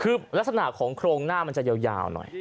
คือลักษณะของโครงหน้ามันจะยาวหน่อย